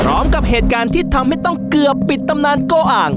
พร้อมกับเหตุการณ์ที่ทำให้ต้องเกือบปิดตำนานโกอ่าง